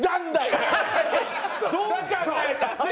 どう考えたって。